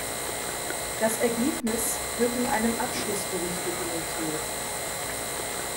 Das Ergebnis wird in einem Abschlussbericht dokumentiert.